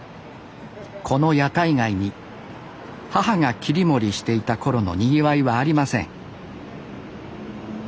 この屋台街に母が切り盛りしていた頃のにぎわいはありません